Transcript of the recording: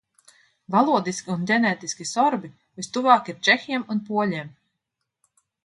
Valodiski un ģenētiski sorbi vistuvāk ir čehiem un poļiem.